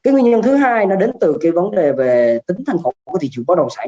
nguyên nhân thứ hai đến từ vấn đề về tính thành khẩu của thị trường báo đồng sản